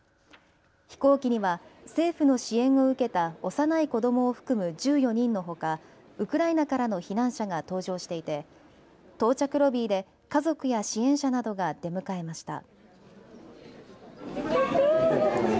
飛行機には政府の支援を受けた幼い子どもを含む１４人のほかウクライナからの避難者が搭乗していて到着ロビーで家族や支援者などが出迎えました。